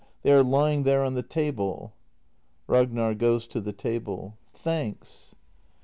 They are lying there on the table. Ragnar. [Goes to the table.] Thanks.